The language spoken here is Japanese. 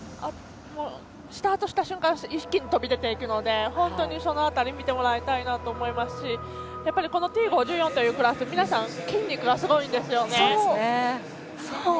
スタートした瞬間一気に飛び出て行くので本当に、その辺りを見てもらいたいなと思いますしこのＴ５４というクラス皆さん筋肉がすごいんですよね。